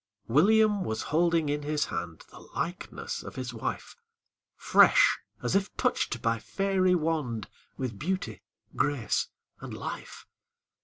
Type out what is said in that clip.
William was holding in his hand The likeness of his wife! Fresh, as if touched by fairy wand, With beauty, grace, and life.